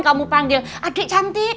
kamu panggil adik cantik